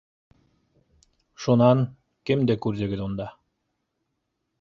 — Шунан, кемде күрҙегеҙ унда?